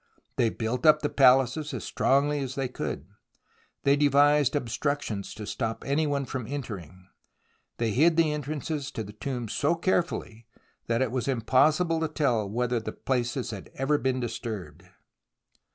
They built up the places as strongly as they could. They devised obstructions to stop any one from entering. They hid the entrances to the tombs so carefully, that it was impossible to tell whether the places had ever been disturbed.